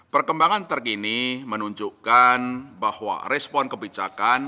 perkembangan terkini menunjukkan bahwa respon kebijakan